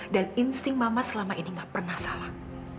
dan insting mama selama ini nggak pernah salah